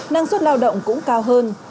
năng suất lao động cũng cao hơn